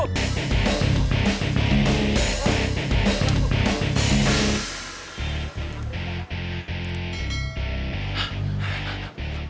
pak makasih pak